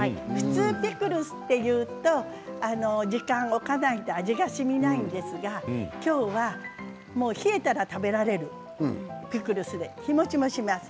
ピクルスというと時間を置かないと味がしみないんですが今日は冷えたら食べられるピクルスで日もちもします。